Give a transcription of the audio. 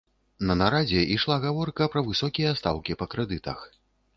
На нарадзе ішла гаворка пра высокія стаўкі па крэдытах.